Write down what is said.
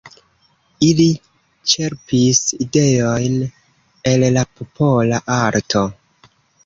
Ili ĉerpis ideojn el la popola arto.